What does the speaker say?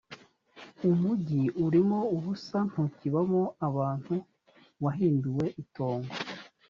umugi urimo ubusa ntukibamo abantu wahinduwe itongo